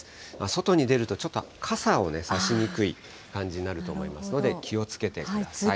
外に出るとちょっと傘を差しにくい感じになると思いますので、気をつけてください。